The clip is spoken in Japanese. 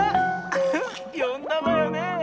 ウフよんだわよね？